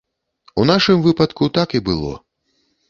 У нашым выпадку так і было.